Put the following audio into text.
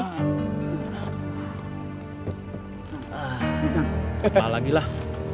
masalah lagi lah